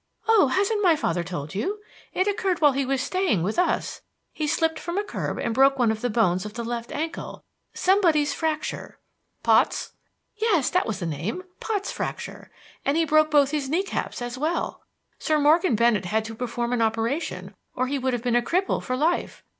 "Oh, hasn't my father told you? It occurred while he was staying with us. He slipped from a curb and broke one of the bones of the left ankle somebody's fracture " "Pott's?" "Yes; that was the name Pott's fracture; and he broke both his knee caps as well. Sir Morgan Bennett had to perform an operation, or he would have been a cripple for life.